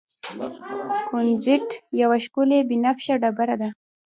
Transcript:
کونزیټ یوه ښکلې بنفشه ډبره ده.